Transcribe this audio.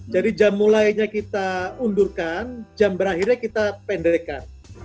jadi jam mulainya kita undurkan jam berakhirnya kita pendekkan